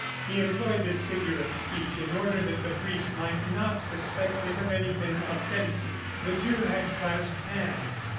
He employed this figure of speech in order that the priest might not suspect him of anything offensive. The two had clasped hands.